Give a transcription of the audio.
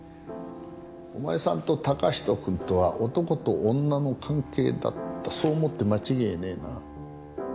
お前さんと嵩人君とは男と女の関係だったそう思って間違いねえな？